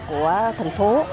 của thành phố